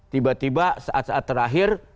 tiba tiba saat saat terakhir